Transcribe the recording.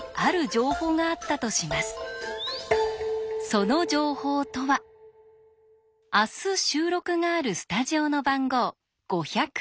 その情報とは明日収録があるスタジオの番号「５０１」。